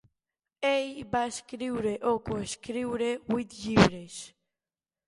Ell va escriure o coescriure huit llibres.